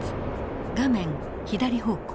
画面左方向。